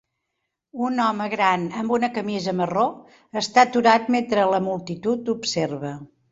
Un home gran amb una camisa marró està aturat mentre la multitud observa.